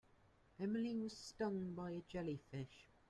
Emily was stung by a jellyfish.